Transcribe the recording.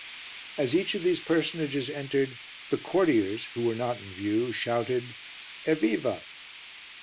As each of these personages entered, the courtiers, who were not in view, shouted "Evviva."